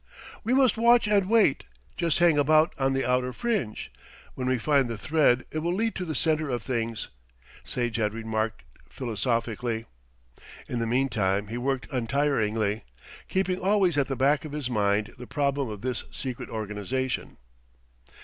"We must watch and wait, just hang about on the outer fringe. When we find the thread it will lead to the centre of things," Sage had remarked philosophically. In the meantime he worked untiringly, keeping always at the back of his mind the problem of this secret organisation.